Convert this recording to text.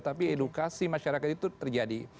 tapi edukasi masyarakat itu terjadi